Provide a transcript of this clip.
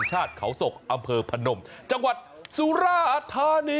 น่าขาดมาก